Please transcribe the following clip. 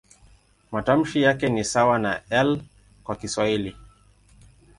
Matamshi yake ni sawa na "L" kwa Kiswahili.